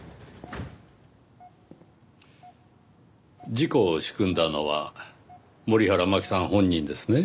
事故を仕組んだのは森原真希さん本人ですね。